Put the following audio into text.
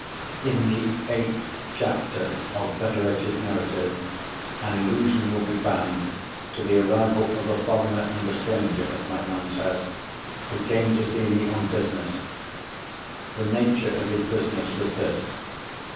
In the eighth chapter of Betteredge's Narrative, an allusion will be found to the arrival of a foreigner and a stranger at my aunt's house, who came to see me on business. The nature of his business was this.